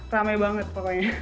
ramai banget pokoknya